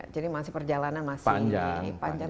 jadi masih perjalanan masih panjang